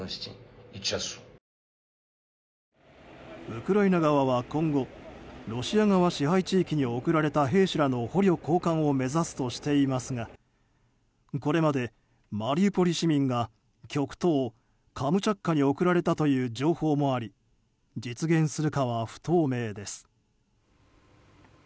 ウクライナ側は今後ロシア側支配地域に送られた兵士らの捕虜交換を目指すとしていますがこれまでマリウポリ市民が極東カムチャツカに送られたという情報もあり実現するかは不透明です。